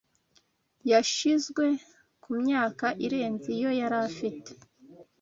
Yashizwe kumyaka irenze iyo yarafite